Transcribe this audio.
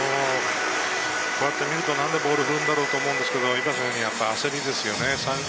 こうやって見ると何でボールを振るんだろうと思うんですけれど、焦りですよね。